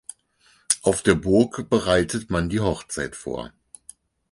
Auf der Burg bereitet man die Hochzeit vor.